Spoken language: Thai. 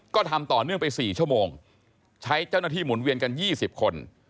ก็ทำต่อเนื่องไป๔ชั่วโมงใช้เจ้าหน้าที่หมุนเวียนกัน๒๐คน